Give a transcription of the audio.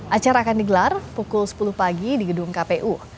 acara akan digelar pukul sepuluh pagi di gedung kpu